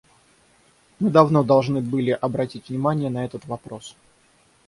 Мы давно должны были обратить внимание на этот вопрос.